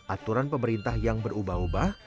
aturan pemerintah yang berubah ubah